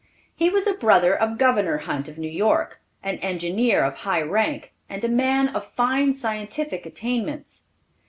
He was a brother of Governor Hunt of New York, an engineer of high rank, and a man of fine scientific attainments.